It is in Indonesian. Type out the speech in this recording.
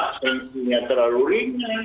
isinya terlalu ringan